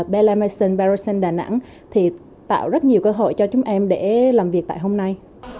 belem aysen belem aysen đà nẵng thì tạo rất nhiều cơ hội cho chúng em để làm việc tại hôm nay